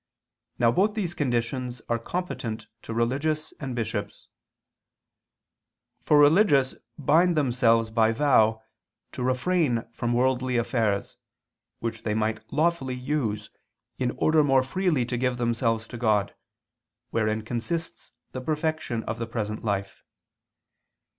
Now both these conditions are competent to religious and bishops. For religious bind themselves by vow to refrain from worldly affairs, which they might lawfully use, in order more freely to give themselves to God, wherein consists the perfection of the present life.